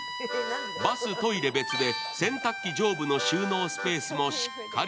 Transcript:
バストイレ別で洗濯機上部の収納スペースもしっかり。